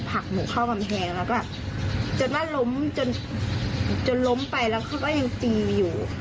พักหนูเข้ากำแทงจนล้มไปแล้วเขาก็ยังตื่นอยู่